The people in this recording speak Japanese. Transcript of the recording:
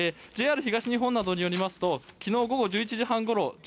ＪＲ東日本によりますと昨日午後１１時半ごろ